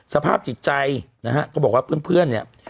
สภาพจิตใจนะฮะก็บอกว่าเพื่อนเนี่ย